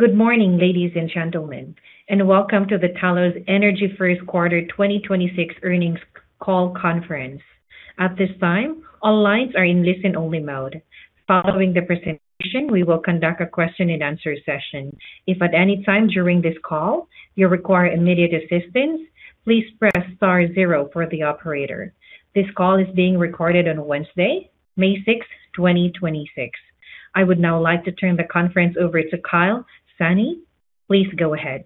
Good morning, ladies and gentlemen, and welcome to the Talos Energy first quarter 2026 earnings call conference. At this time, all lines are in listen-only mode. Following the presentation, we will conduct a question-and-answer session. If at any time during this call you require immediate assistance, please press star zero for the operator. This call is being recorded on Wednesday, May 6, 2026. I would now like to turn the conference over to Clay Jeansonne. Please go ahead.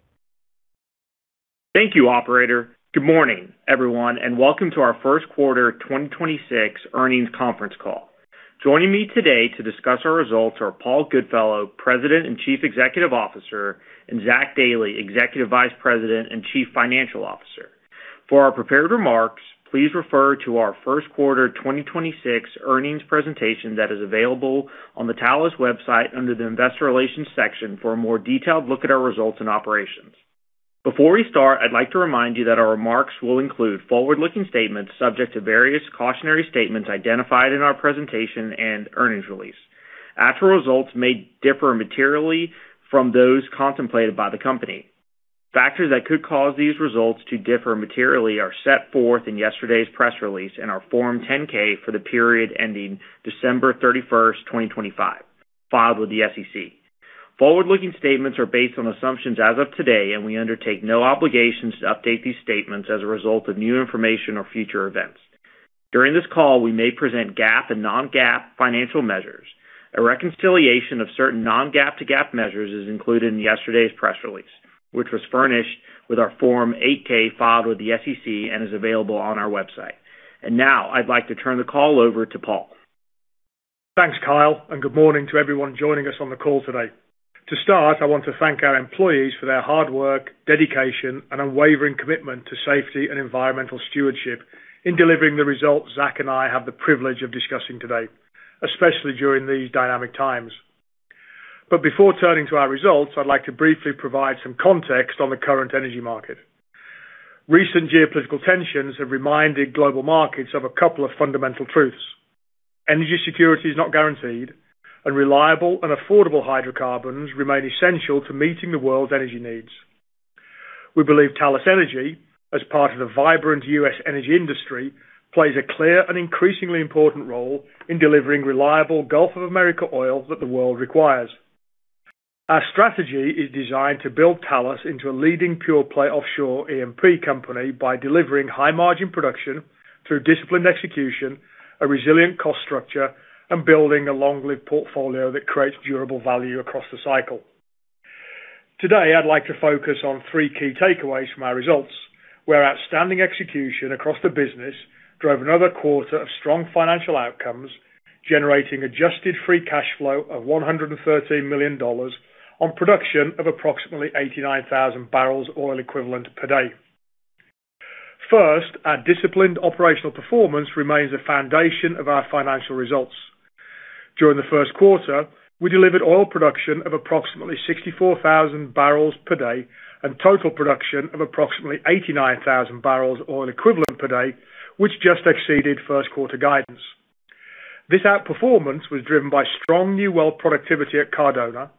Thank you, operator. Good morning, everyone, and welcome to our first quarter 2026 earnings conference call. Joining me today to discuss our results are Paul Goodfellow, President and Chief Executive Officer, and Zach Dailey, Executive Vice President and Chief Financial Officer. For our prepared remarks, please refer to our first quarter 2026 earnings presentation that is available on the Talos website under the Investor Relations section for a more detailed look at our results and operations. Before we start, I'd like to remind you that our remarks will include forward-looking statements subject to various cautionary statements identified in our presentation and earnings release. Actual results may differ materially from those contemplated by the company. Factors that could cause these results to differ materially are set forth in yesterday's press release and our Form 10-K for the period ending December 31st, 2025, filed with the SEC. Forward-looking statements are based on assumptions as of today. We undertake no obligations to update these statements as a result of new information or future events. During this call, we may present GAAP and non-GAAP financial measures. A reconciliation of certain non-GAAP to GAAP measures is included in yesterday's press release, which was furnished with our Form 8-K filed with the SEC and is available on our website. Now I'd like to turn the call over to Paul. Thanks, Clay. Good morning to everyone joining us on the call today. To start, I want to thank our employees for their hard work, dedication, and unwavering commitment to safety and environmental stewardship in delivering the results Zach and I have the privilege of discussing today, especially during these dynamic times. Before turning to our results, I'd like to briefly provide some context on the current energy market. Recent geopolitical tensions have reminded global markets of a couple of fundamental truths. Energy security is not guaranteed, and reliable and affordable hydrocarbons remain essential to meeting the world's energy needs. We believe Talos Energy, as part of the vibrant U.S. energy industry, plays a clear and increasingly important role in delivering reliable Gulf of Mexico oil that the world requires. Our strategy is designed to build Talos into a leading pure-play offshore E&P company by delivering high-margin production through disciplined execution, a resilient cost structure, and building a long-lived portfolio that creates durable value across the cycle. Today, I'd like to focus on three key takeaways from our results, where outstanding execution across the business drove another quarter of strong financial outcomes, generating adjusted free cash flow of $113 million on production of approximately 89,000 bbl oil equivalent per day. First, our disciplined operational performance remains the foundation of our financial results. During the first quarter, we delivered oil production of approximately 64,000 bpd and total production of approximately 89,000 bbl oil equivalent per day, which just exceeded first quarter guidance. This outperformance was driven by strong new well productivity at Cardona,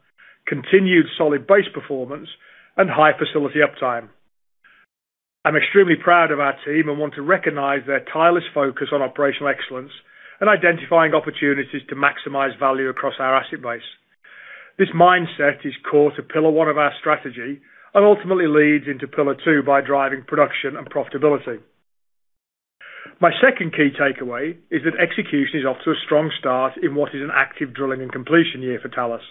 continued solid base performance, and high facility uptime. I'm extremely proud of our team and want to recognize their tireless focus on operational excellence and identifying opportunities to maximize value across our asset base. This mindset is core to pillar one of our strategy and ultimately leads into pillar two by driving production and profitability. My second key takeaway is that execution is off to a strong start in what is an active drilling and completion year for Talos.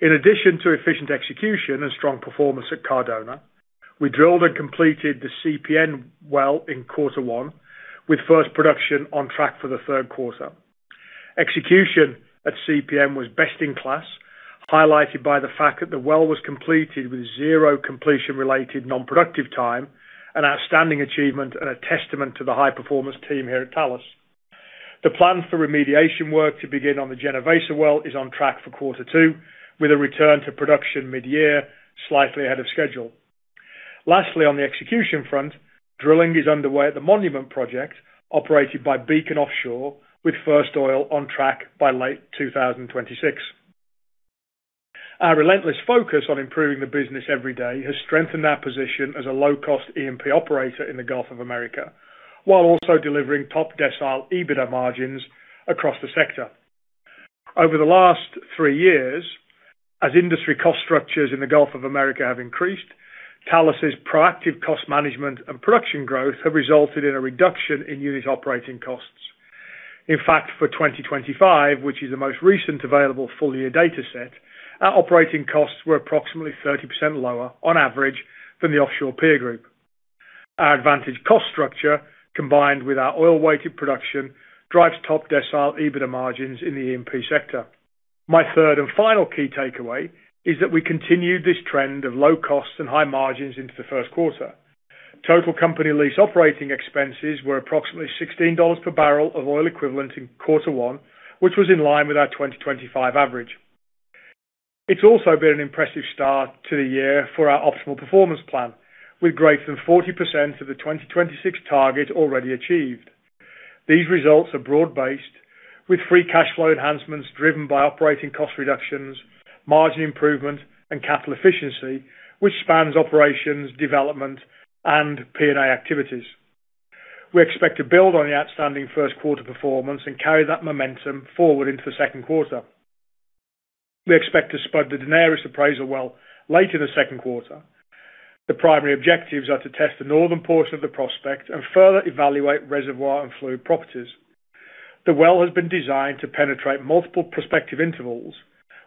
In addition to efficient execution and strong performance at Cardona, we drilled and completed the CPN well in quarter one with first production on track for the third quarter. Execution at CPN was best in class, highlighted by the fact that the well was completed with zero completion-related non-productive time, an outstanding achievement and a testament to the high-performance team here at Talos. The plan for remediation work to begin on the Genovesa well is on track for quarter two, with a return to production mid-year, slightly ahead of schedule. Lastly, on the execution front, drilling is underway at the Monument project operated by Beacon Offshore, with first oil on track by late 2026. Our relentless focus on improving the business every day has strengthened our position as a low-cost E&P operator in the Gulf of Mexico, while also delivering top-decile EBITDA margins across the sector. Over the last three years, as industry cost structures in the Gulf of Mexico have increased, Talos' proactive cost management and production growth have resulted in a reduction in unit operating costs. In fact, for 2025, which is the most recent available full-year data set, our operating costs were approximately 30% lower on average than the offshore peer group. Our advantage cost structure, combined with our oil-weighted production, drives top-decile EBITDA margins in the E&P sector. My third and final key takeaway is that we continued this trend of low costs and high margins into the first quarter. Total company lease operating expenses were approximately $16 per barrel of oil equivalent in Q1, which was in line with our 2025 average. It's also been an impressive start to the year for our Optimal Performance Plan, with greater than 40% of the 2026 target already achieved. These results are broad-based with free cash flow enhancements driven by operating cost reductions, margin improvement, and capital efficiency, which spans operations, development, and P&A activities. We expect to build on the outstanding first quarter performance and carry that momentum forward into the second quarter. We expect to spud the Daenerys appraisal well later the second quarter. The primary objectives are to test the northern portion of the prospect and further evaluate reservoir and fluid properties. The well has been designed to penetrate multiple prospective intervals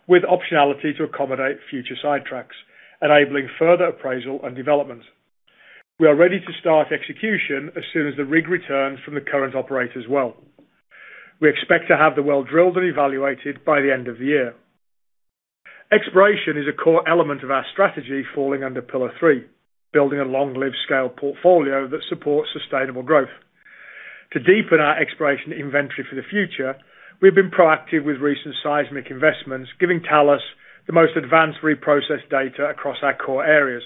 with optionality to accommodate future sidetracks, enabling further appraisal and development. We are ready to start execution as soon as the rig returns from the current operator's well. We expect to have the well drilled and evaluated by the end of the year. Exploration is a core element of our strategy falling under pillar three, building a long-lived scale portfolio that supports sustainable growth. To deepen our exploration inventory for the future, we've been proactive with recent seismic investments, giving Talos the most advanced reprocessed data across our core areas.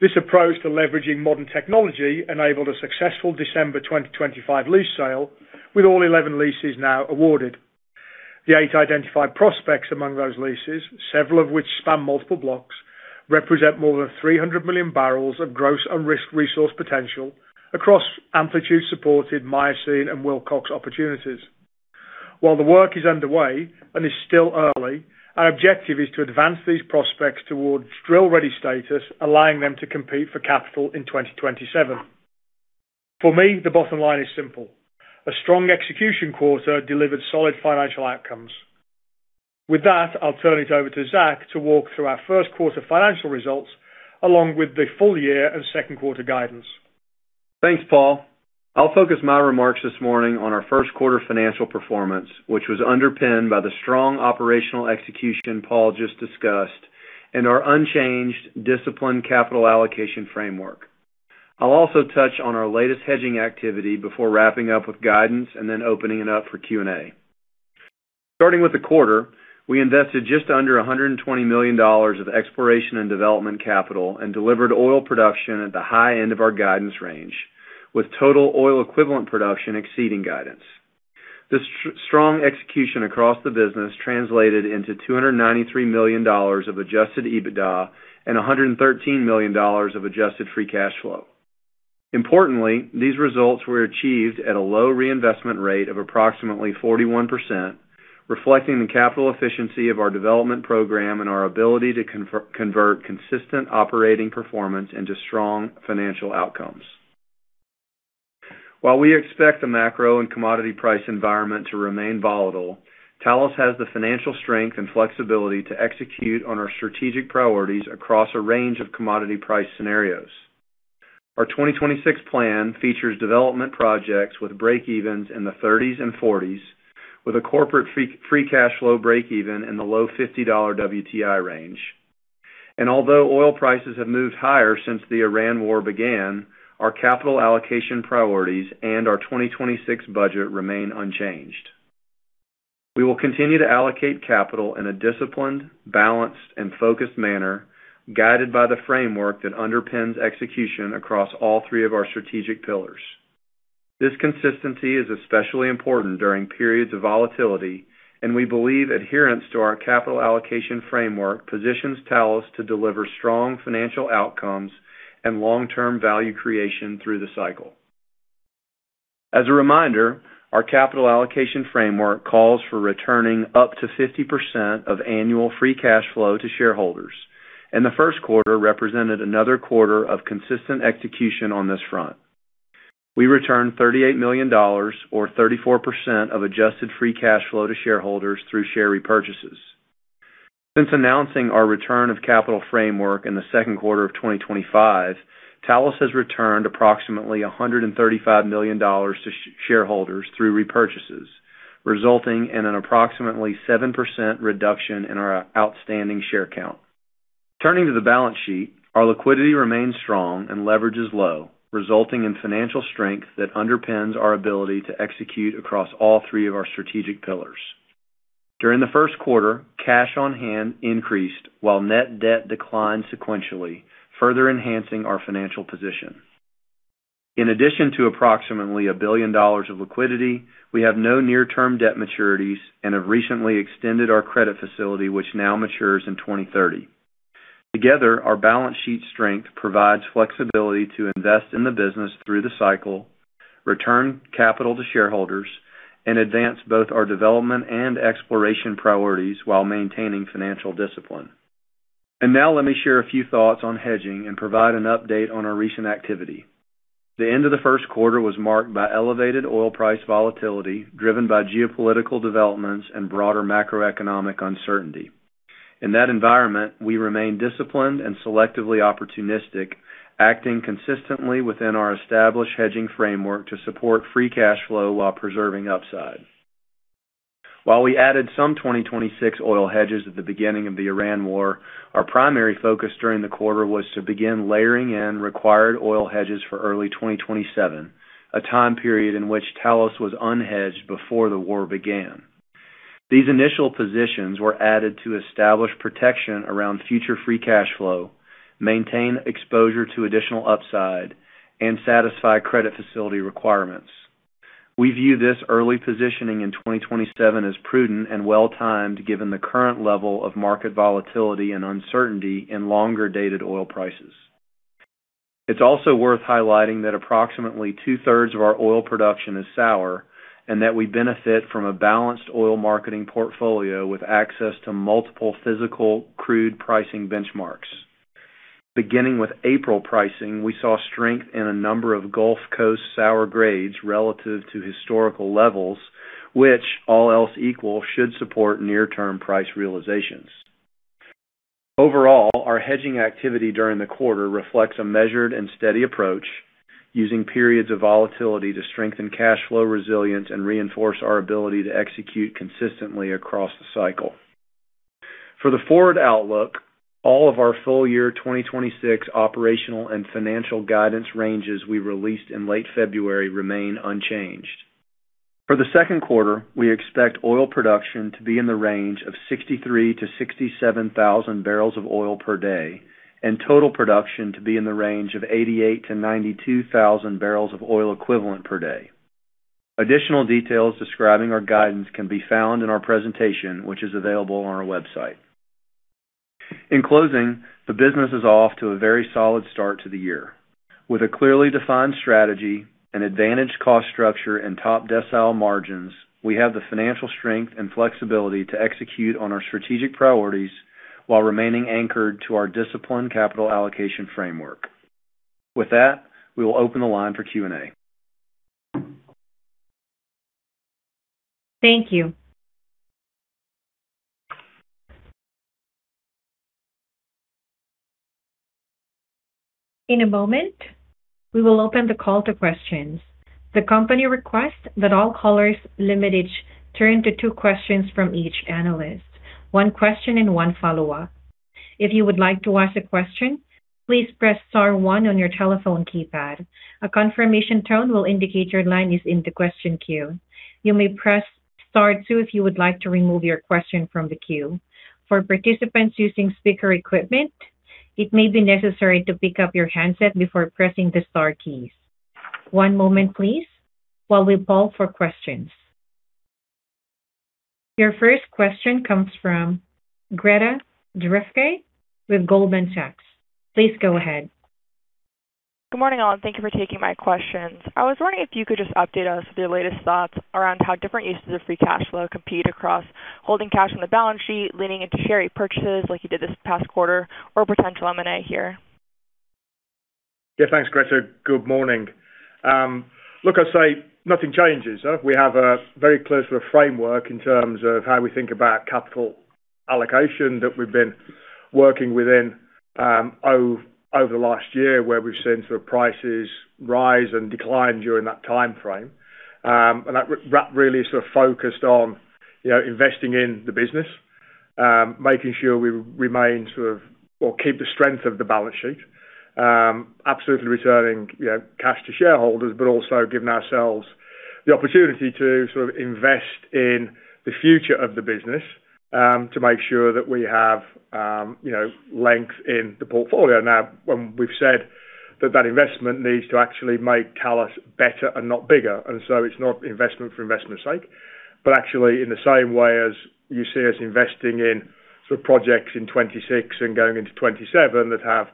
This approach to leveraging modern technology enabled a successful December 2025 Lease Sale, with all 11 leases now awarded. The eight identified prospects among those leases, several of which span multiple blocks, represent more than 300,000,000 bbl of gross and risk resource potential across amplitude-supported Miocene and Wilcox opportunities. While the work is underway and is still early, our objective is to advance these prospects towards drill status, allowing them to compete for capital in 2027. For me, the bottom line is simple. A strong execution quarter delivered solid financial outcomes. With that, I'll turn it over to Zach to walk through our first quarter financial results along with the full year and second quarter guidance. Thanks, Paul. I'll focus my remarks this morning on our first quarter financial performance, which was underpinned by the strong operational execution Paul just discussed and our unchanged disciplined capital allocation framework. I'll also touch on our latest hedging activity before wrapping up with guidance and then opening it up for Q&A. Starting with the quarter, we invested just under $120 million of exploration and development capital and delivered oil production at the high end of our guidance range, with total oil equivalent production exceeding guidance. This strong execution across the business translated into $293 million of adjusted EBITDA and $113 million of adjusted free cash flow. Importantly, these results were achieved at a low reinvestment rate of approximately 41%, reflecting the capital efficiency of our development program and our ability to convert consistent operating performance into strong financial outcomes. While we expect the macro and commodity price environment to remain volatile, Talos has the financial strength and flexibility to execute on our strategic priorities across a range of commodity price scenarios. Our 2026 plan features development projects with breakevens in the 30s and 40s, with a corporate free cash flow breakeven in the low $50 WTI range. Although oil prices have moved higher since the Iran war began, our capital allocation priorities and our 2026 budget remain unchanged. We will continue to allocate capital in a disciplined, balanced, and focused manner, guided by the framework that underpins execution across all three of our strategic pillars. This consistency is especially important during periods of volatility, we believe adherence to our capital allocation framework positions Talos to deliver strong financial outcomes and long-term value creation through the cycle. As a reminder, our capital allocation framework calls for returning up to 50% of annual free cash flow to shareholders, the first quarter represented another quarter of consistent execution on this front. We returned $38 million or 34% of adjusted free cash flow to shareholders through share repurchases. Since announcing our return of capital framework in the second quarter of 2025, Talos has returned approximately $135 million to shareholders through repurchases, resulting in an approximately 7% reduction in our outstanding share count. Turning to the balance sheet, our liquidity remains strong and leverage is low, resulting in financial strength that underpins our ability to execute across all three of our strategic pillars. During the first quarter, cash on hand increased while net debt declined sequentially, further enhancing our financial position. In addition to approximately $1 billion of liquidity, we have no near-term debt maturities and have recently extended our credit facility, which now matures in 2030. Together, our balance sheet strength provides flexibility to invest in the business through the cycle, return capital to shareholders, and advance both our development and exploration priorities while maintaining financial discipline. Now let me share a few thoughts on hedging and provide an update on our recent activity. The end of the first quarter was marked by elevated oil price volatility driven by geopolitical developments and broader macroeconomic uncertainty. In that environment, we remain disciplined and selectively opportunistic, acting consistently within our established hedging framework to support free cash flow while preserving upside. We added some 2026 oil hedges at the beginning of the Iran war, our primary focus during the quarter was to begin layering in required oil hedges for early 2027, a time period in which Talos was unhedged before the war began. These initial positions were added to establish protection around future free cash flow, maintain exposure to additional upside, and satisfy credit facility requirements. We view this early positioning in 2027 as prudent and well-timed, given the current level of market volatility and uncertainty in longer-dated oil prices. It's also worth highlighting that approximately two thirds of our oil production is sour and that we benefit from a balanced oil marketing portfolio with access to multiple physical crude pricing benchmarks. Beginning with April pricing, we saw strength in a number of Gulf Coast sour grades relative to historical levels, which all else equal, should support near-term price realizations. Overall, our hedging activity during the quarter reflects a measured and steady approach using periods of volatility to strengthen cash flow resilience and reinforce our ability to execute consistently across the cycle. For the forward outlook, all of our full year 2026 operational and financial guidance ranges we released in late February remain unchanged. For the second quarter, we expect oil production to be in the range of 63,000-67,000 bbl of oil per day and total production to be in the range of 88,000-92,000 bbl of oil equivalent per day. Additional details describing our guidance can be found in our presentation, which is available on our website. In closing, the business is off to a very solid start to the year. With a clearly defined strategy, an advantaged cost structure, and top decile margins, we have the financial strength and flexibility to execute on our strategic priorities while remaining anchored to our disciplined capital allocation framework. With that, we will open the line for Q&A. Thank you.In a moment we will open the call for questions. The company request that all callers limited turn to two questions from each analyst. One question and one follow-up. If you would like to ask a question, please press star one on your telephone keypad. A confirmation tone will indicate your line is in the question queue. You may press star two, if you would like to remove your question from the queue. For participants using speaker equipment, it may be necessary to pick up your handset before pressing the star key. One moment please while we poll for questions. Your first question comes from Greta Drefke with Goldman Sachs. Please go ahead. Good morning, all. Thank you for taking my questions. I was wondering if you could just update us with your latest thoughts around how different uses of free cash flow compete across holding cash on the balance sheet, leaning into share repurchases like you did this past quarter, or potential M&A here. Thanks, Greta. Good morning. Look, I'd say nothing changes. We have a very clear sort of framework in terms of how we think about capital allocation that we've been working within over the last year, where we've seen sort of prices rise and decline during that timeframe. That really is sort of focused on, you know, investing in the business, making sure we remain sort of or keep the strength of the balance sheet. Absolutely returning, you know, cash to shareholders, but also giving ourselves the opportunity to sort of invest in the future of the business to make sure that we have, you know, length in the portfolio. When we've said that that investment needs to actually make Talos better and not bigger, so it's not investment for investment's sake. Actually, in the same way as you see us investing in sort of projects in 2026 and going into 2027 that have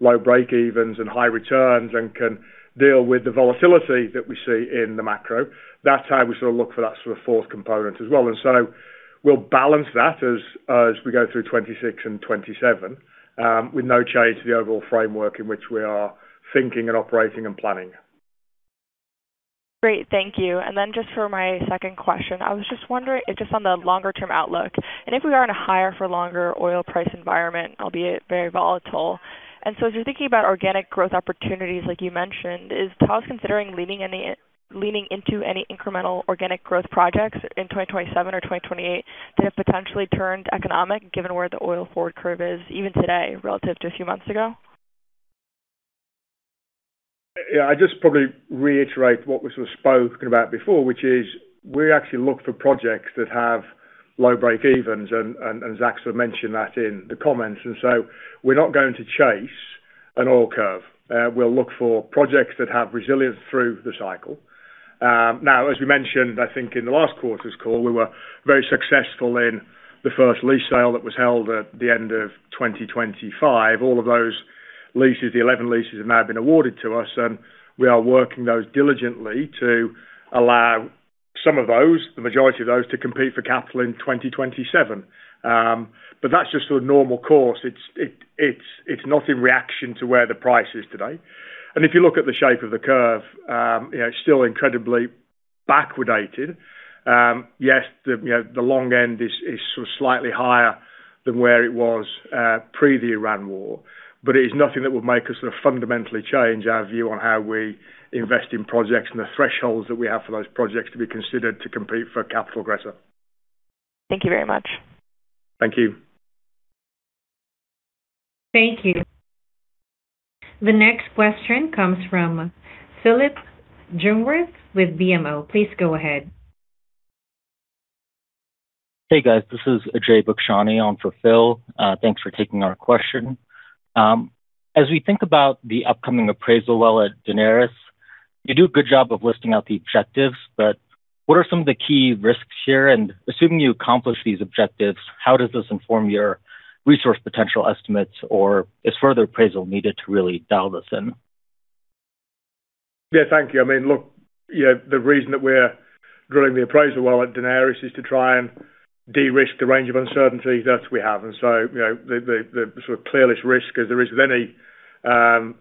low breakevens and high returns and can deal with the volatility that we see in the macro, that's how we sort of look for that sort of fourth component as well. We'll balance that as we go through 2026 and 2027 with no change to the overall framework in which we are thinking and operating and planning. Great. Thank you. Just for my second question, I was just wondering if just on the longer term outlook, and if we are in a higher for longer oil price environment, albeit very volatile. As you're thinking about organic growth opportunities like you mentioned, is Talos considering leaning into any incremental organic growth projects in 2027 or 2028 to have potentially turned economic, given where the oil forward curve is even today relative to a few months ago? I'd just probably reiterate what we sort of spoken about before, which is we actually look for projects that have low breakevens, and Zach sort of mentioned that in the comments. We're not going to chase a oil curve, we'll look for projects that have resilience through the cycle. Now, as we mentioned, I think in the last quarter's call, we were very successful in the first lease sale that was held at the end of 2025. All of those leases, the 11 leases, have now been awarded to us, and we are working those diligently to allow some of those, the majority of those, to compete for capital in 2027. That's just sort of normal course. It's not in reaction to where the price is today. If you look at the shape of the curve, you know, it's still incredibly backwardated. Yes, the, you know, the long end is sort of slightly higher than where it was pre the Iran war, but it is nothing that would make us sort of fundamentally change our view on how we invest in projects and the thresholds that we have for those projects to be considered to compete for capital, Greta. Thank you very much. Thank you. Thank you. The next question comes from Phillip Jungwirth with BMO. Please go ahead. Hey, guys. This is Ajay Bakshani on for Phil. Thanks for taking our question. As we think about the upcoming appraisal well at Daenerys, you do a good job of listing out the objectives, but what are some of the key risks here? Assuming you accomplish these objectives, how does this inform your resource potential estimates, or is further appraisal needed to really dial this in? Yeah, thank you. I mean, look, you know, the reason that we're drilling the appraisal well at Daenerys is to try and de-risk the range of uncertainties that we have. You know, the sort of clearest risk as there is with any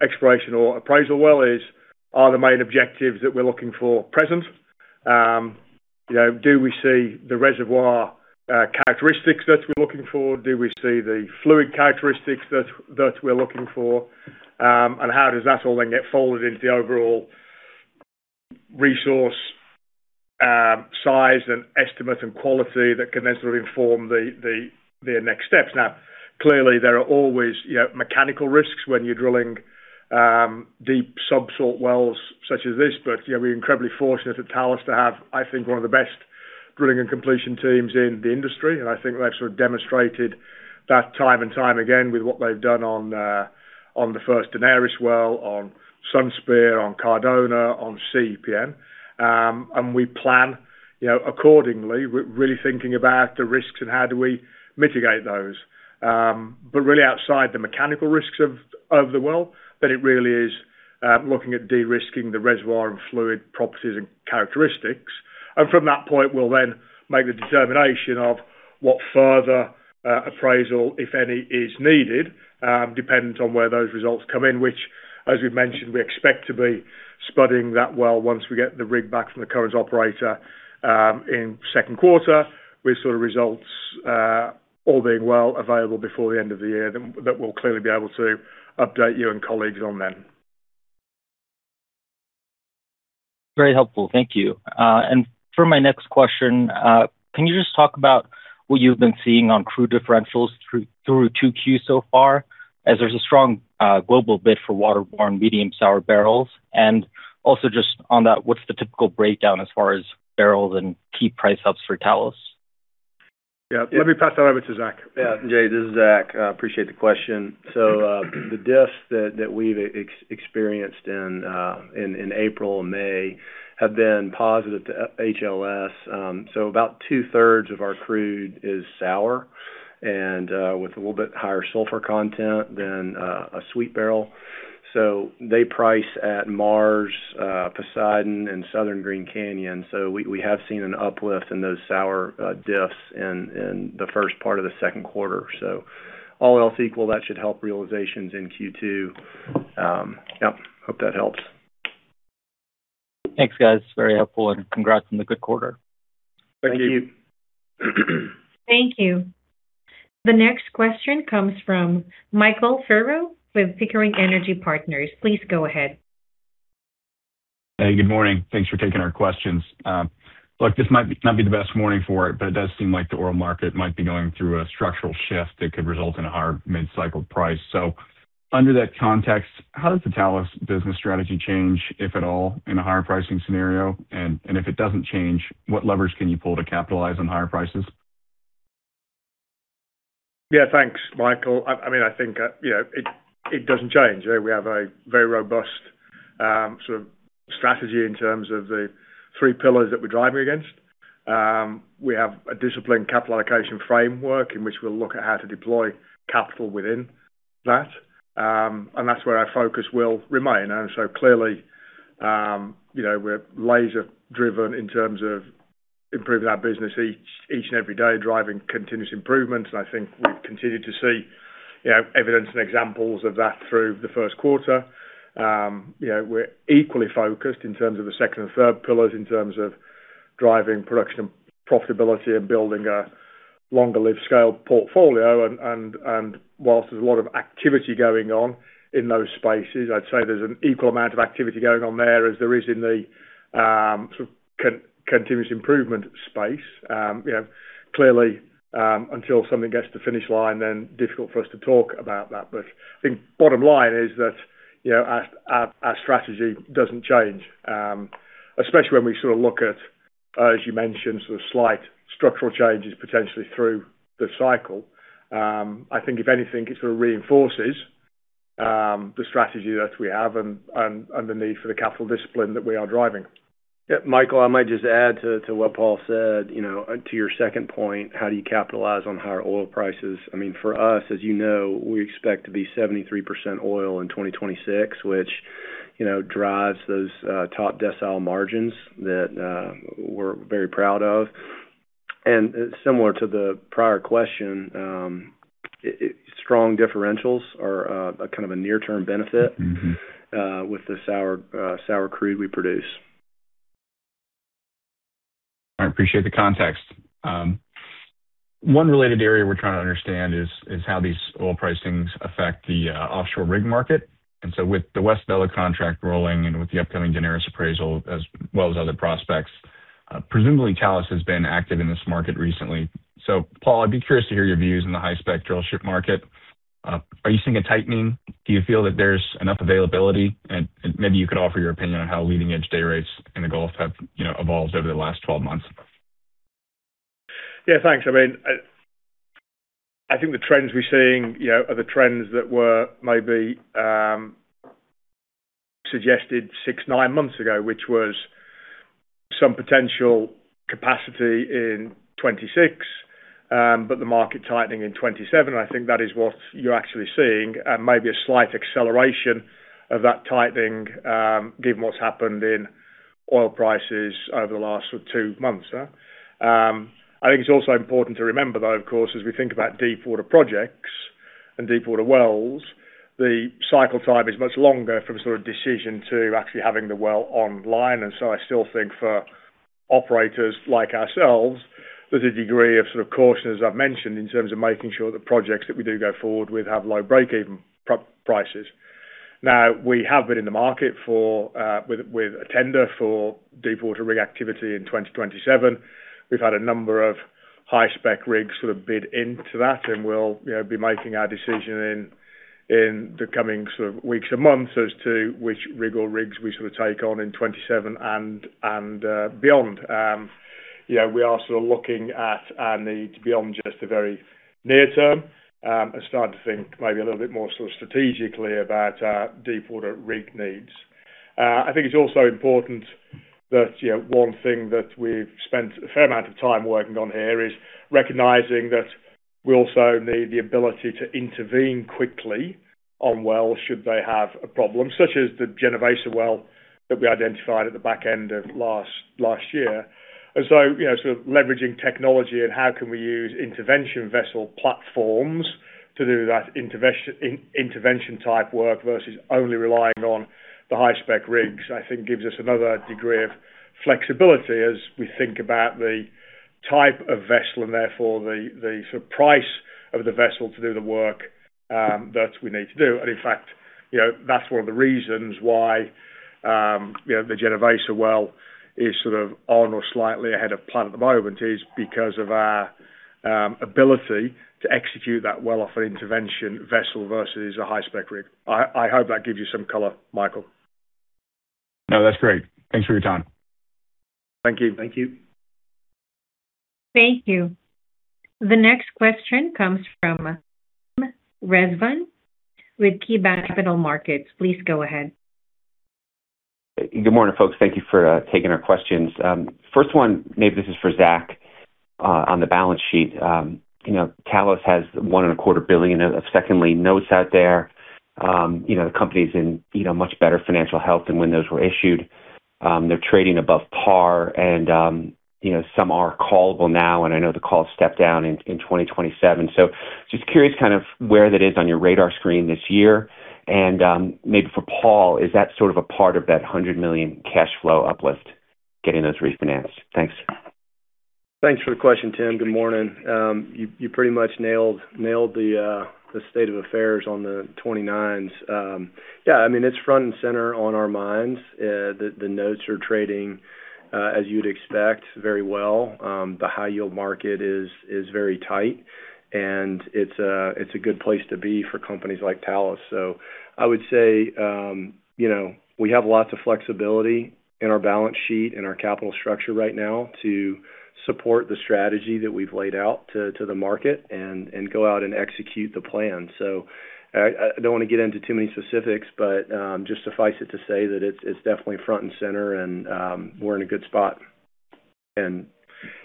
exploration or appraisal well is, are the main objectives that we're looking for present? You know, do we see the reservoir characteristics that we're looking for? Do we see the fluid characteristics that we're looking for? How does that all then get folded into the overall resource size and estimate and quality that can then sort of inform the next steps? Now, clearly, there are always, you know, mechanical risks when you're drilling deep subsalt wells such as this. You know, we're incredibly fortunate at Talos to have, I think, one of the best drilling and completion teams in the industry. I think they've sort of demonstrated that time and time again with what they've done on the first Daenerys well, on Sunspear, on Cardona, on CPN. We plan, you know, accordingly. We're really thinking about the risks and how do we mitigate those. Really outside the mechanical risks of the well, then it really is looking at de-risking the reservoir and fluid properties and characteristics. From that point, we'll then make the determination of what further appraisal, if any, is needed, dependent on where those results come in, which as we've mentioned, we expect to be spudding that well once we get the rig back from the current operator in second quarter. We saw results, all being well available before the end of the year that we'll clearly be able to update you and colleagues on then. Very helpful. Thank you. For my next question, can you just talk about what you've been seeing on crude differentials through 2Q so far as there's a strong global bid for waterborne medium sour barrels? Also just on that, what's the typical breakdown as far as barrels and key price ups for Talos? Yeah. Let me pass that over to Zach. Yeah. Ajay, this is Zach. I appreciate the question. The diffs that we've experienced in April and May have been positive to HLS. About two thirds of our crude is sour and with a little bit higher sulfur content than a sweet barrel. They price at Mars, Poseidon and Southern Green Canyon. We have seen an uplift in those sour diffs in the first part of the second quarter. All else equal, that should help realizations in Q2. Yep. Hope that helps. Thanks, guys. Very helpful and congrats on the good quarter. Thank you. Thank you. Thank you. The next question comes from Michael Furrow with Pickering Energy Partners. Please go ahead. Hey, good morning. Thanks for taking our questions. Look, this might not be the best morning for it, but it does seem like the oil market might be going through a structural shift that could result in a higher mid-cycle price. Under that context, how does the Talos business strategy change, if at all, in a higher pricing scenario? If it doesn't change, what levers can you pull to capitalize on higher prices? Yeah, thanks, Michael. I mean, I think, you know, it doesn't change. You know, we have a very robust sort of strategy in terms of the three pillars that we're driving against. We have a disciplined capital allocation framework in which we'll look at how to deploy capital within that. That's where our focus will remain. Clearly, you know, we're laser-driven in terms of improving our business each and every day, driving continuous improvement. I think we've continued to see, you know, evidence and examples of that through the first quarter. You know, we're equally focused in terms of the second and third pillars, in terms of driving production and profitability and building a longer live scale portfolio. Whilst there's a lot of activity going on in those spaces, I'd say there's an equal amount of activity going on there as there is in the sort of continuous improvement space. You know, clearly, until something gets to the finish line, then difficult for us to talk about that. I think bottom line is that, you know, our strategy doesn't change. Especially when we sort of look at, as you mentioned, sort of slight structural changes potentially through the cycle. I think if anything, it sort of reinforces the strategy that we have and the need for the capital discipline that we are driving. Michael, I might just add to what Paul said, you know, to your second point, how do you capitalize on higher oil prices? I mean, for us, as you know, we expect to be 73% oil in 2026, which, you know, drives those top decile margins that we're very proud of. Similar to the prior question, strong differentials are a kind of a near-term benefit. With the sour crude we produce. I appreciate the context. One related area we're trying to understand is how these oil pricings affect the offshore rig market. With the West Vela contract rolling and with the upcoming Daenerys appraisal as well as other prospects. Presumably Talos has been active in this market recently. Paul, I'd be curious to hear your views on the high-spec drillship market. Are you seeing a tightening? Do you feel that there's enough availability? And maybe you could offer your opinion on how leading-edge day rates in the Gulf have, you know, evolved over the last 12 months. Yeah, thanks. I mean, I think the trends we're seeing, you know, are the trends that were maybe suggested six, nine months ago, which was some potential capacity in 2026. The market tightening in 2027. I think that is what you're actually seeing, maybe a slight acceleration of that tightening given what's happened in oil prices over the last two months. I think it's also important to remember though, of course, as we think about deepwater projects and deepwater wells, the cycle time is much longer from sort of decision to actually having the well online. I still think for operators like ourselves, there's a degree of sort of caution, as I've mentioned, in terms of making sure the projects that we do go forward with have low break-even prices. We have been in the market for with a tender for deepwater rig activity in 2027. We've had a number of high-spec rigs sort of bid into that, and we'll, you know, be making our decision in the coming sort of weeks and months as to which rig or rigs we sort of take on in 2027 and beyond. You know, we are sort of looking at our needs beyond just the very near term, and starting to think maybe a little bit more sort of strategically about our deepwater rig needs. I think it's also important that, you know, one thing that we've spent a fair amount of time working on here is recognizing that we also need the ability to intervene quickly on wells should they have a problem, such as the Genovesa well that we identified at the back end of last year. So, you know, sort of leveraging technology and how can we use intervention vessel platforms to do that intervention type work versus only relying on the high-spec rigs, I think gives us another degree of flexibility as we think about the type of vessel, and therefore the sort of price of the vessel to do the work that we need to do. In fact, you know, that's one of the reasons why, you know, the Genovesa well is sort of on or slightly ahead of plan at the moment is because of our ability to execute that well-offered intervention vessel versus a high-spec rig. I hope that gives you some color, Michael. No, that's great. Thanks for your time. Thank you. Thank you. The next question comes from Rezvan with KeyBanc Capital Markets. Please go ahead. Good morning, folks. Thank you for taking our questions. First one, maybe this is for Zach on the balance sheet. You know, Talos has one and a quarter billion of second lien notes out there. You know, the company's in, you know, much better financial health than when those were issued. They're trading above par and, you know, some are callable now, and I know the call stepped down in 2027. Just curious kind of where that is on your radar screen this year. Maybe for Paul, is that sort of a part of that $100 million cash flow uplift, getting those refinanced? Thanks. Thanks for the question, Tim. Good morning. You pretty much nailed the state of affairs on the 29s. Yeah, I mean, it's front and center on our minds. The notes are trading as you'd expect, very well. The high-yield market is very tight, and it's a good place to be for companies like Talos. I would say, you know, we have lots of flexibility in our balance sheet and our capital structure right now to support the strategy that we've laid out to the market and go out and execute the plan. I don't want to get into too many specifics, but just suffice it to say that it's definitely front and center and we're in a good spot.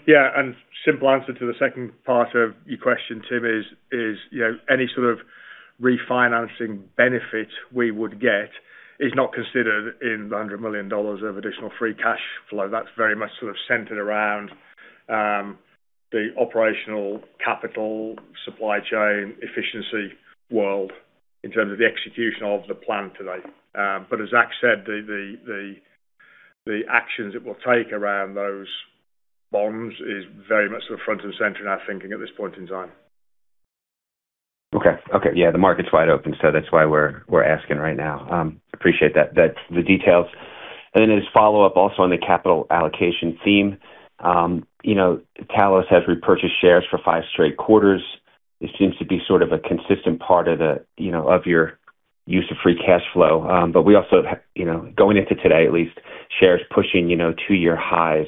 Yeah, simple answer to the second part of your question, Tim, is, you know, any sort of refinancing benefit we would get is not considered in the $100 million of additional free cash flow. That's very much sort of centered around the operational capital supply chain efficiency world in terms of the execution of the plan today. As Zach said, the actions it will take around those bonds is very much sort of front and center in our thinking at this point in time. Okay. Okay. The market's wide open, so that's why we're asking right now. Appreciate the details. As a follow-up also on the capital allocation theme, you know, Talos has repurchased shares for five straight quarters. It seems to be sort of a consistent part of the, you know, of your use of free cash flow. We also, you know, going into today, at least, shares pushing, you know, two year highs.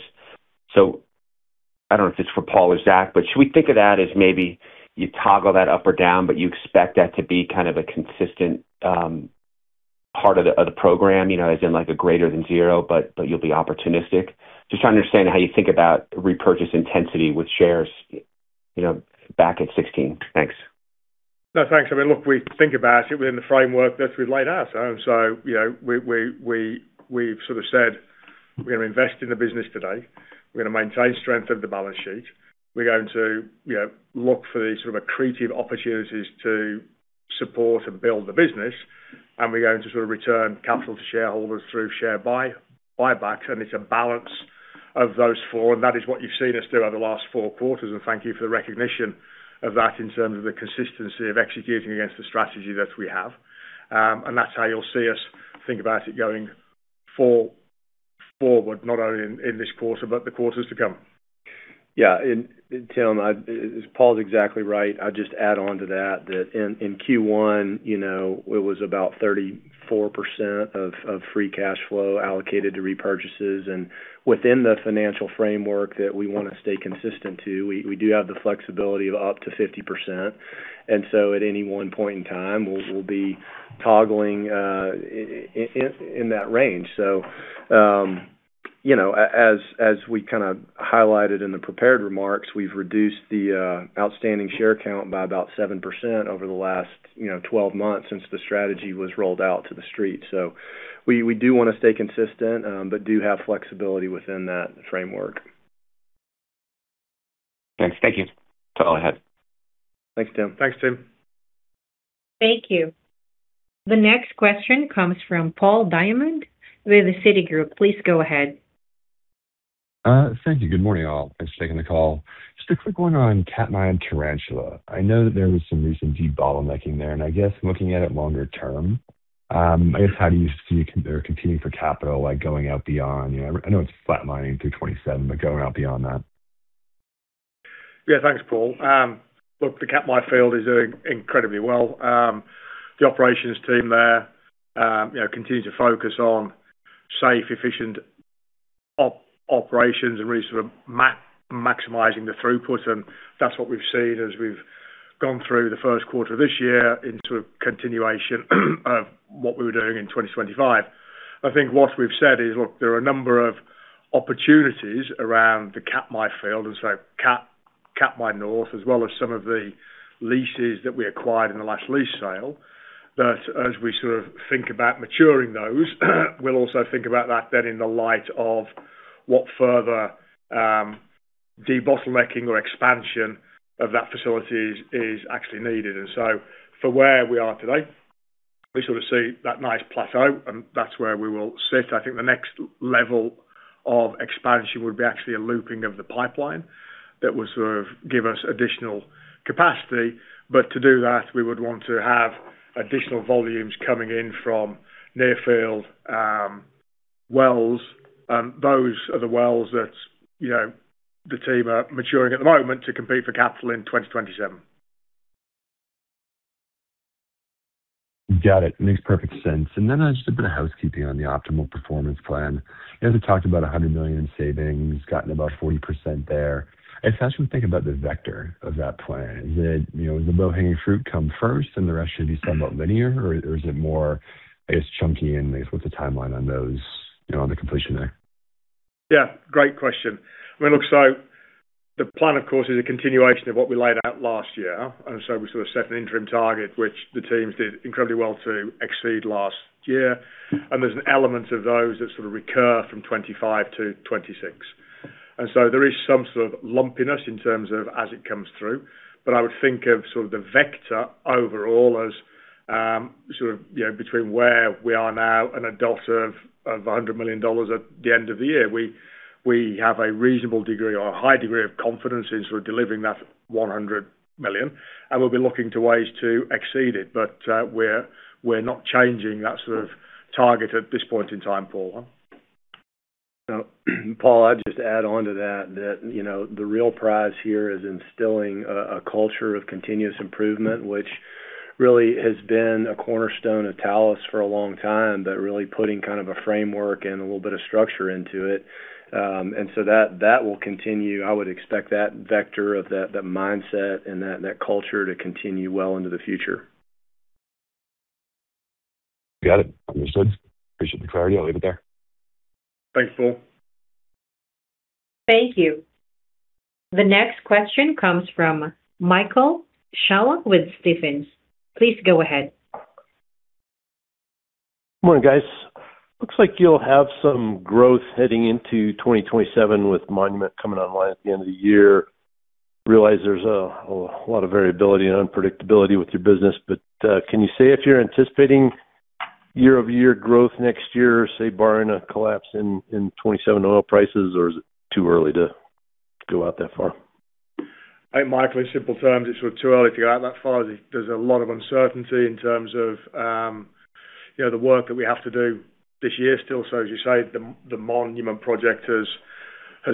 I don't know if it's for Paul or Zach, but should we think of that as maybe you toggle that up or down, but you expect that to be kind of a consistent part of the program, you know, as in like a greater than zero, but you'll be opportunistic? Just trying to understand how you think about repurchase intensity with shares, you know, back at $16. Thanks. No, thanks. I mean, look, we think about it within the framework that we've laid out. You know, we've sort of said we're going to invest in the business today. We're going to maintain strength of the balance sheet. We're going to, you know, look for these sort of accretive opportunities to support and build the business, and we're going to sort of return capital to shareholders through share buybacks. It's a balance of those four, and that is what you've seen us do over the last four quarters. Thank you for the recognition of that in terms of the consistency of executing against the strategy that we have. That's how you'll see us think about it going forward, not only in this quarter but the quarters to come. Yeah. Tim, Paul's exactly right. I'll just add on to that in Q1, you know, it was about 34% of free cash flow allocated to repurchases. Within the financial framework that we wanna stay consistent to, we do have the flexibility of up to 50%. At any one point in time, we'll be toggling in that range. You know, as we kind of highlighted in the prepared remarks, we've reduced the outstanding share count by about 7% over the last, you know, 12 months since the strategy was rolled out to the street. We do wanna stay consistent, but do have flexibility within that framework. Thanks. Thank you. Talk ahead. Thanks, Tim. Thanks, Tim. Thank you. The next question comes from Paul Diamond with Citigroup. Please go ahead. Thank you. Good morning, all. Thanks for taking the call. Just a quick one on Katmai Tarantula. I know that there was some recent debottlenecking there, and I guess looking at it longer term, I guess, how do you see competing for capital, like, going out beyond? You know, I know it's flatlining through 2027, but going out beyond that. Yeah. Thanks, Paul. Look, the Katmai field is doing incredibly well. The operations team there, you know, continue to focus on safe, efficient operations and really sort of maximizing the throughput, and that's what we've seen as we've gone through the first quarter of this year into a continuation of what we were doing in 2025. I think what we've said is, look, there are a number of opportunities around the Katmai field, and so Katmai North, as well as some of the leases that we acquired in the last lease sale. As we sort of think about maturing those, we'll also think about that then in the light of what further debottlenecking or expansion of that facility is actually needed. For where we are today, we sort of see that nice plateau, and that's where we will sit. I think the next level of expansion would be actually a looping of the pipeline that would sort of give us additional capacity. To do that, we would want to have additional volumes coming in from near field wells. Those are the wells that, you know, the team are maturing at the moment to compete for capital in 2027. Got it. Makes perfect sense. Then just a bit of housekeeping on the Optimal Performance Plan. You know, they talked about $100 million in savings, gotten about 40% there. I guess, how should we think about the vector of that plan? Is it You know, does the low-hanging fruit come first and the rest should be somewhat linear, or is it more, I guess, chunky? I guess, what's the timeline on those, you know, on the completion there? Yeah, great question. I mean, look, the plan, of course, is a continuation of what we laid out last year. We sort of set an interim target, which the teams did incredibly well to exceed last year. There's an element of those that sort of recur from 2025 to 2026. There is some sort of lumpiness in terms of as it comes through. I would think of sort of the vector overall as, sort of, you know, between where we are now and a delta of $100 million at the end of the year. We have a reasonable degree or a high degree of confidence in sort of delivering that $100 million, and we'll be looking to ways to exceed it. We're not changing that sort of target at this point in time, Paul. Paul, I'd just add on to that, you know, the real prize here is instilling a culture of continuous improvement, which really has been a cornerstone of Talos for a long time, but really putting kind of a framework and a little bit of structure into it. That will continue. I would expect that vector of that mindset and that culture to continue well into the future. Got it. Understood. Appreciate the clarity. I'll leave it there. Thanks, Paul. Thank you. The next question comes from Michael Scialla with Stephens. Please go ahead. Morning, guys. Looks like you'll have some growth heading into 2027 with Monument coming online at the end of the year. Realize there's a lot of variability and unpredictability with your business, can you say if you're anticipating year-over-year growth next year, say, barring a collapse in 2027 oil prices, or is it too early to go out that far? Hey, Michael. In simple terms, it's sort of too early to go out that far. There's a lot of uncertainty in terms of, you know, the work that we have to do this year still. As you say, the Monument project has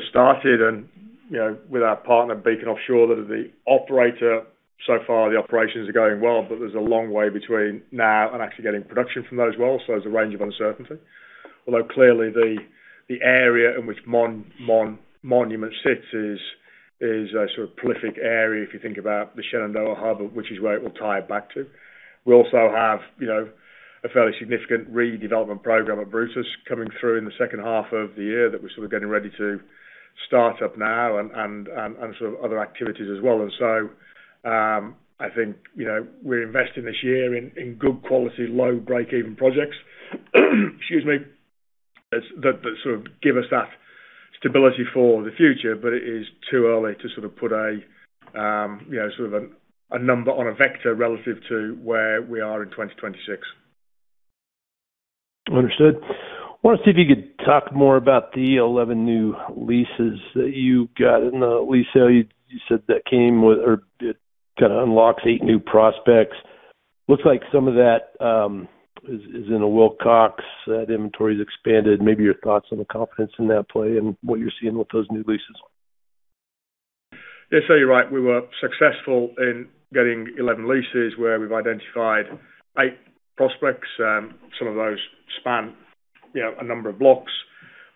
started and, you know, with our partner, Beacon Offshore, that are the operator, so far the operations are going well, but there's a long way between now and actually getting production from those wells. There's a range of uncertainty. Although clearly the area in which Monument sits is a sort of prolific area, if you think about the Shenandoah hub, which is where it will tie back to. We also have, you know, a fairly significant redevelopment program at Brutus coming through in the second half of the year that we're sort of getting ready to start up now and other activities as well. I think, you know, we're investing this year in good quality, low break-even projects, excuse me, that sort of give us that stability for the future, but it is too early to sort of put a, you know, sort of a number on a vector relative to where we are in 2026. Understood. I want to see if you could talk more about the 11 new leases that you got in the lease sale. You said that came with or it kind of unlocks eight new prospects. Looks like some of that is in the Wilcox. That inventory's expanded. Maybe your thoughts on the confidence in that play and what you're seeing with those new leases. Yes, you're right. We were successful in getting 11 leases where we've identified eight prospects. Some of those span, you know, a number of blocks.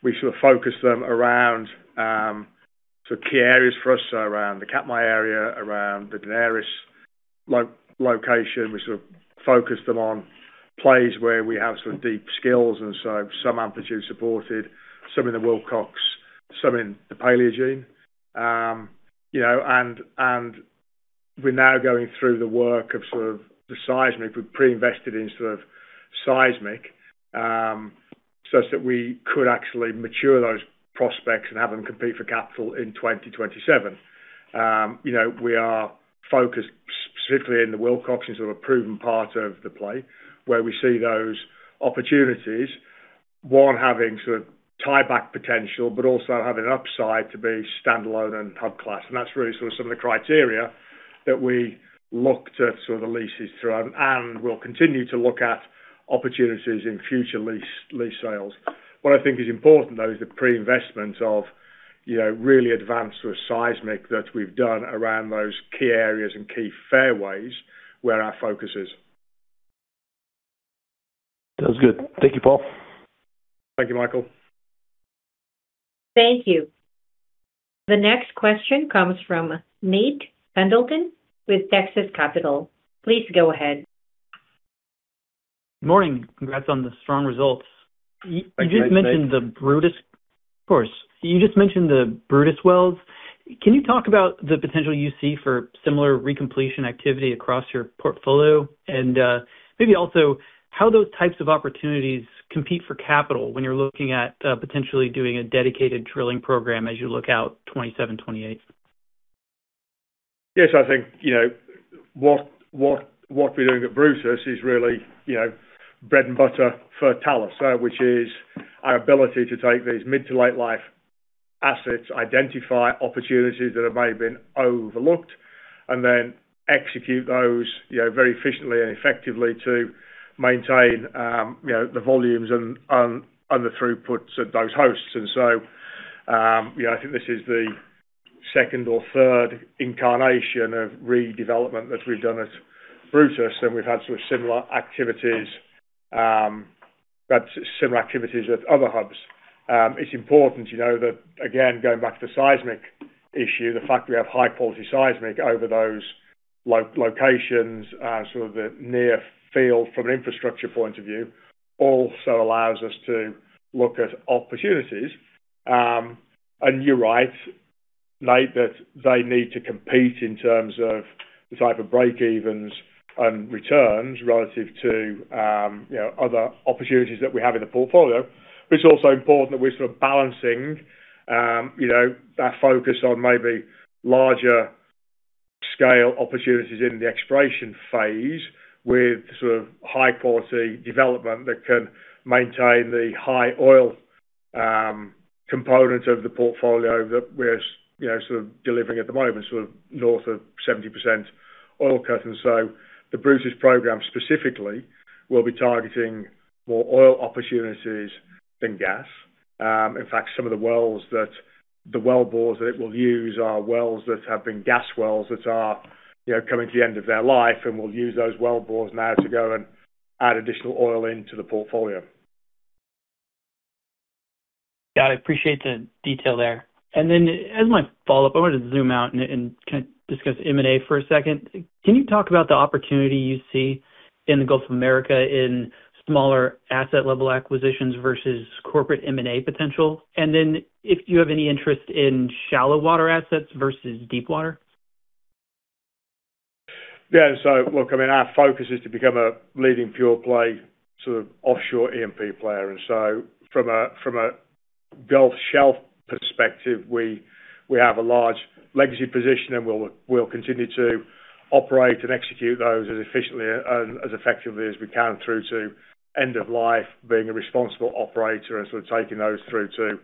We sort of focus them around key areas for us, so around the Katmai area, around the Daenerys location. We sort of focus them on plays where we have sort of deep skills and so some amplitude supported, some in the Wilcox, some in the Paleogene. You know, and we're now going through the work of sort of the seismic. We've pre-invested in sort of seismic such that we could actually mature those prospects and have them compete for capital in 2027. You know, we are focused specifically in the Wilcox. These are a proven part of the play where we see those opportunities, one, having sort of tieback potential, but also having an upside to be standalone and hub class. That's really sort of some of the criteria that we look to sort of the leases through. We'll continue to look at opportunities in future lease sales. What I think is important, though, is the pre-investment of, you know, really advanced sort of seismic that we've done around those key areas and key fairways where our focus is. Sounds good. Thank you, Paul. Thank you, Michael. Thank you. The next question comes from Nate Pendleton with Texas Capital. Please go ahead. Morning. Congrats on the strong results. Thank you, Nate. You just mentioned the Brutus Of course. You just mentioned the Brutus wells. Can you talk about the potential you see for similar recompletion activity across your portfolio? Maybe also how those types of opportunities compete for capital when you're looking at potentially doing a dedicated drilling program as you look out 2027, 2028. Yes, I think, you know, what we're doing at Brutus is really, you know, bread and butter for Talos, which is our ability to take these mid to late life assets, identify opportunities that have maybe been overlooked, and then execute those, you know, very efficiently and effectively to maintain, you know, the volumes and the throughputs of those hosts. I think this is the second or third incarnation of redevelopment that we've done at Brutus, and we've had sort of similar activities, but similar activities with other hubs. It's important to know that, again, going back to the seismic issue, the fact we have high-quality seismic over those locations, sort of the near field from an infrastructure point of view, also allows us to look at opportunities. You're right, Nate, that they need to compete in terms of the type of breakevens and returns relative to, you know, other opportunities that we have in the portfolio. It's also important that we're sort of balancing, you know, that focus on maybe larger scale opportunities in the exploration phase with sort of high-quality development that can maintain the high oil component of the portfolio that we're, you know, sort of delivering at the moment, sort of north of 70% oil cut. The Brutus program specifically will be targeting more oil opportunities than gas. In fact, some of the wellbores that it will use are wells that have been gas wells that are, you know, coming to the end of their life, and we'll use those wellbores now to go and add additional oil into the portfolio. Yeah, I appreciate the detail there. As my follow-up, I want to zoom out and kind of discuss M&A for a second. Can you talk about the opportunity you see in the Gulf of Mexico in smaller asset level acquisitions versus corporate M&A potential? If you have any interest in shallow water assets versus deepwater. Yeah. Look, I mean, our focus is to become a leading pure play sort of offshore E&P player. From a Gulf shelf perspective, we have a large legacy position and we'll continue to operate and execute those as efficiently and as effectively as we can through to end of life, being a responsible operator and sort of taking those through to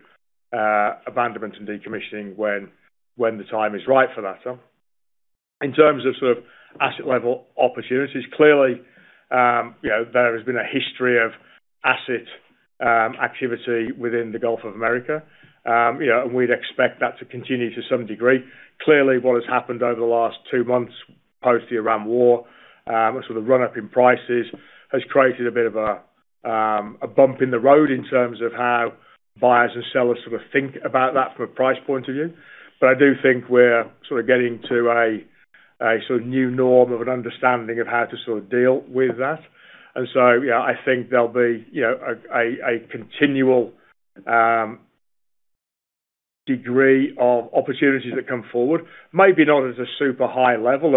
abandonment and decommissioning when the time is right for that. In terms of sort of asset level opportunities, clearly, you know, there has been a history of asset activity within the Gulf of Mexico. You know, we'd expect that to continue to some degree. Clearly, what has happened over the last two months post the Iran war, sort of run-up in prices has created a bit of a bump in the road in terms of how buyers and sellers sort of think about that from a price point of view. I do think we're sort of getting to a sort of new norm of an understanding of how to sort of deal with that. You know, I think there'll be, you know, a continual degree of opportunities that come forward. Maybe not as a super high level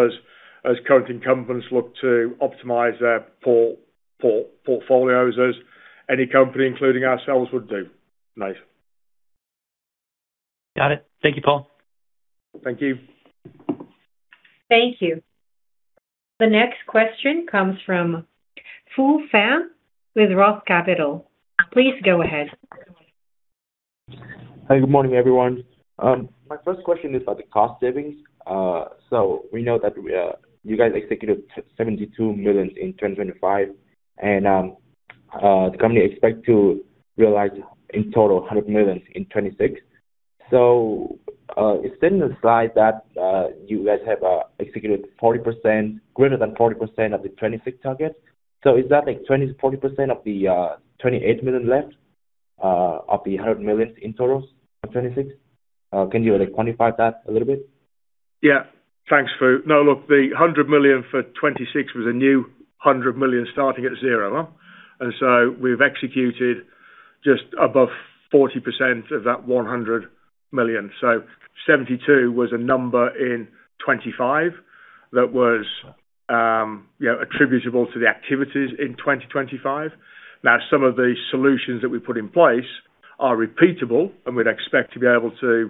as current incumbents look to optimize their portfolios as any company, including ourselves, would do, Nate. Got it. Thank you, Paul. Thank you. Thank you. The next question comes from Phu Pham with Roth Capital Partners. Please go ahead. Hi. Good morning, everyone. My first question is about the cost savings. We know that you guys executed $72 million in 2025, and the company expect to realize in total $100 million in 2026. It's in the slide that you guys have executed greater than 40% of the 2026 target. Is that, like, 20%, 40% of the $28 million left of the $100 million in totals for 2026? Can you, like, quantify that a little bit? Thanks, Phu. Look, the $100 million for 2026 was a new $100 million starting at zero. We've executed just above 40% of that $100 million. $72 was a number in 2025 that was, you know, attributable to the activities in 2025. Some of the solutions that we put in place are repeatable, and we'd expect to be able to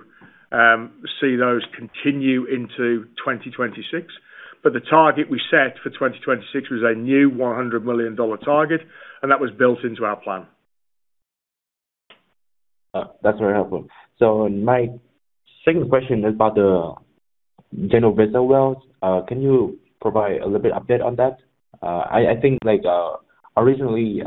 see those continue into 2026. The target we set for 2026 was a new $100 million target, and that was built into our plan. That's very helpful. My second question is about the Genovesa wells. Can you provide a little bit update on that? I think originally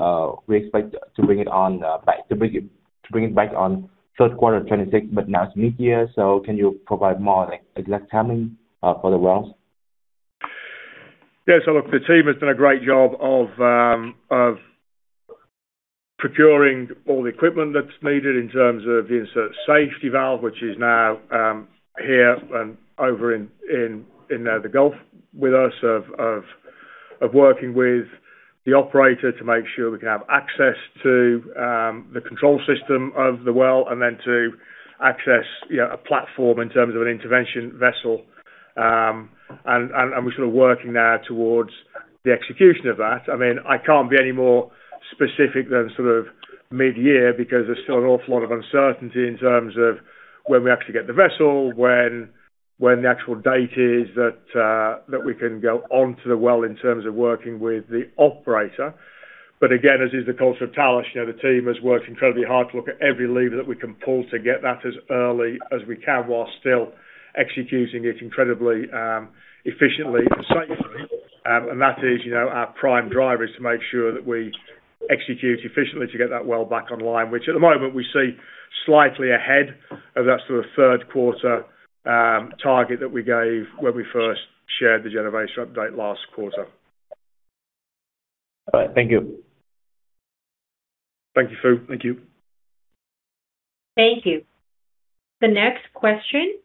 we expect to bring it back on third quarter 2026, but now it's mid-year. Can you provide more, like, exact timing for the wells? Yeah. Look, the team has done a great job of procuring all the equipment that's needed in terms of the insert safety valve, which is now here and over in the Gulf with us of working with the operator to make sure we can have access to the control system of the well and then to access, you know, a platform in terms of an intervention vessel. We're sort of working now towards the execution of that. I mean, I can't be any more specific than sort of mid-year because there's still an awful lot of uncertainty in terms of when we actually get the vessel, when the actual date is that we can go onto the well in terms of working with the operator. Again, as is the culture of Talos, you know, the team has worked incredibly hard to look at every lever that we can pull to get that as early as we can while still executing it incredibly, efficiently and safely. That is, you know, our prime driver is to make sure that we execute efficiently to get that well back online, which at the moment we see slightly ahead of that sort of third quarter target that we gave when we first shared the Genovesa update last quarter. All right. Thank you. Thank you, Phu. Thank you. Thank you. The next question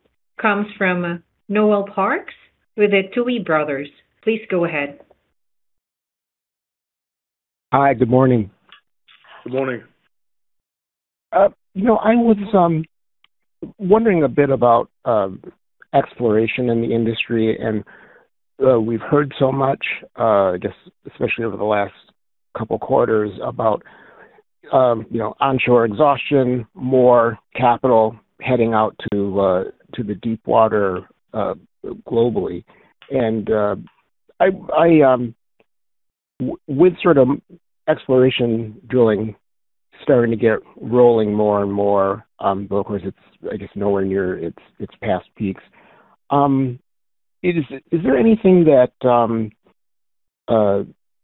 comes from Noel Parks with Tuohy Brothers. Please go ahead. Hi. Good morning. Good morning. You know, I was wondering a bit about exploration in the industry, and we've heard so much, I guess especially over the last couple quarters, about, you know, onshore exhaustion, more capital heading out to the deepwater, globally. I, with sort of exploration drilling starting to get rolling more and more, because it's, I guess, nowhere near its past peaks, is there anything that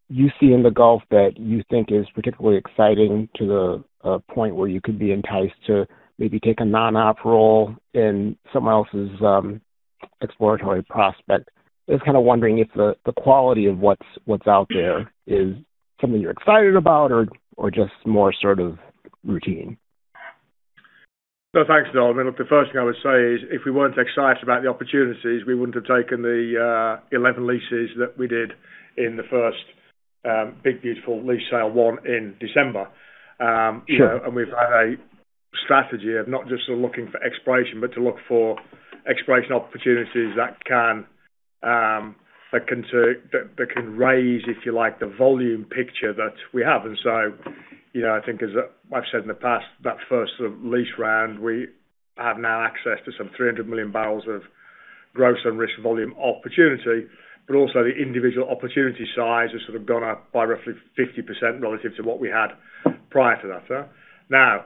you see in the Gulf that you think is particularly exciting to the point where you could be enticed to maybe take a non-op role in someone else's exploratory prospect? Just kinda wondering if the quality of what's out there is something you're excited about or just more sort of routine. No, thanks, Noel. I mean, look, the first thing I would say is if we weren't excited about the opportunities, we wouldn't have taken the 11 leases that we did in the first Big Beautiful Lease Sale 1 in December. Sure. You know, we've had a strategy of not just sort of looking for exploration, but to look for exploration opportunities that can that can raise, if you like, the volume picture that we have. You know, I think as I've said in the past, that first sort of lease round, we have now access to some 300,000,000 bbl of gross and risk volume opportunity, but also the individual opportunity size has sort of gone up by roughly 50% relative to what we had prior to that. Now,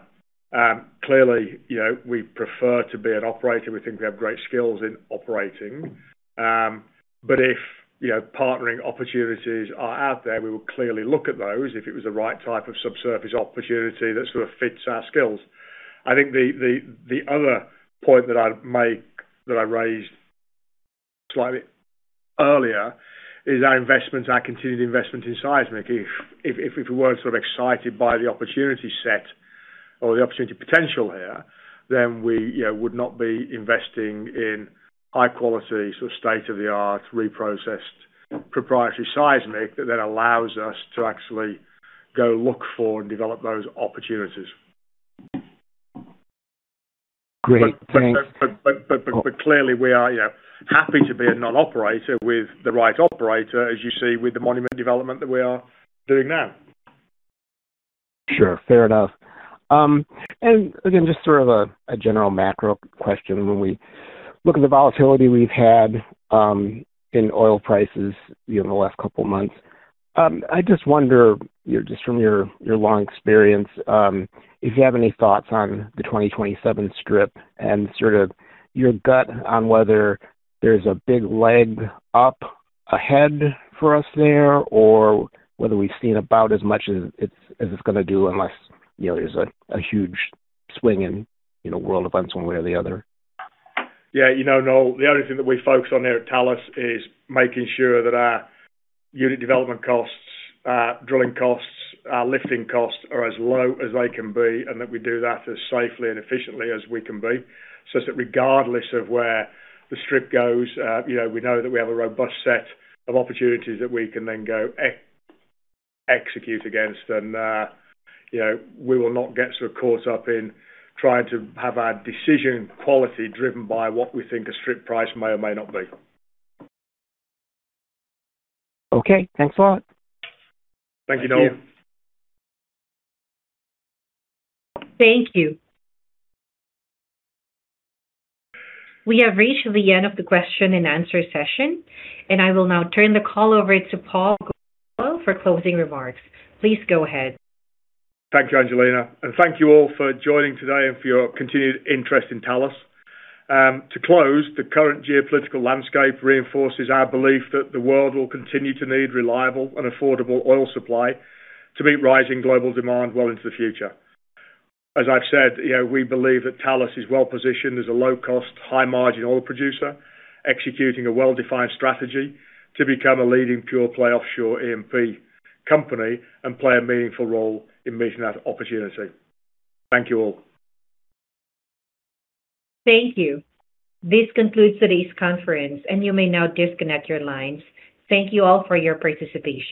clearly, you know, we prefer to be an operator. We think we have great skills in operating. But if, you know, partnering opportunities are out there, we will clearly look at those if it was the right type of subsurface opportunity that sort of fits our skills. I think the other point that I'd make, that I raised slightly earlier is our investment, our continued investment in seismic. If we weren't sort of excited by the opportunity set or the opportunity potential here, then we, you know, would not be investing in high-quality, sort of state-of-the-art reprocessed proprietary seismic that then allows us to actually go look for and develop those opportunities. Great. Thanks. Clearly we are, you know, happy to be a non-operator with the right operator, as you see with the monument development that we are doing now. Sure. Fair enough. Again, just sort of a general macro question. When we look at the volatility we've had in oil prices, you know, in the last couple of months, I just wonder, you know, just from your long experience, if you have any thoughts on the 2027 strip and sort of your gut on whether there's a big leg up ahead for us there or whether we've seen about as much as it's gonna do unless, you know, there's a huge swing in, you know, world events one way or the other. Yeah. You know, Noel, the only thing that we focus on here at Talos is making sure that our unit development costs, drilling costs, our lifting costs are as low as they can be, and that we do that as safely and efficiently as we can be. That regardless of where the strip goes, you know, we know that we have a robust set of opportunities that we can then go execute against. You know, we will not get sort of caught up in trying to have our decision quality driven by what we think a strip price may or may not be. Okay. Thanks a lot. Thank you, Noel. Thank you. Thank you. We have reached the end of the question and answer session. I will now turn the call over to Paul Goodfellow for closing remarks. Please go ahead. Thank you, Angelina. Thank you all for joining today and for your continued interest in Talos. To close, the current geopolitical landscape reinforces our belief that the world will continue to need reliable and affordable oil supply to meet rising global demand well into the future. As I've said, you know, we believe that Talos is well-positioned as a low-cost, high-margin oil producer, executing a well-defined strategy to become a leading pure play offshore E&P company and play a meaningful role in meeting that opportunity. Thank you all. Thank you. This concludes today's conference, and you may now disconnect your lines. Thank you all for your participation.